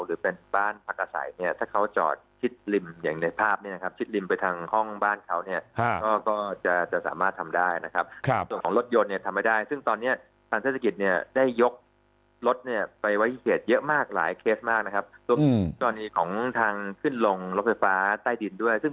หรือเป็นบ้านพักอาศัยเนี่ยถ้าเขาจอดชิดริมอย่างในภาพเนี่ยนะครับชิดริมไปทางห้องบ้านเขาเนี่ยก็จะจะสามารถทำได้นะครับส่วนของรถยนต์เนี่ยทำไม่ได้ซึ่งตอนนี้ทางเทศกิจเนี่ยได้ยกรถเนี่ยไปไว้ที่เขตเยอะมากหลายเคสมากนะครับรวมถึงกรณีของทางขึ้นลงรถไฟฟ้าใต้ดินด้วยซึ่ง